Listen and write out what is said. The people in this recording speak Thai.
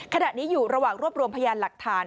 ขณะนี้อยู่ระหว่างรวบรวมพยานหลักฐาน